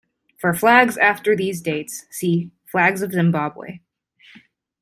For flags after these dates see Flags of Zimbabwe.